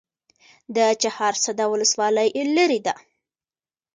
د چهارسده ولسوالۍ لیرې ده